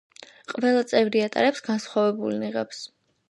ყველა წევრი ატარებს განსხვავებულ ნიღაბს.